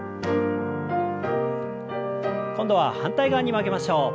今度は反対側に曲げましょう。